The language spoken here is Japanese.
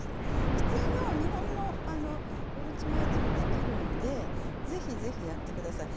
普通の日本のうるち米でもできるので、ぜひぜひやってください。